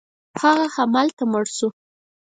هغه همالته مړ شو.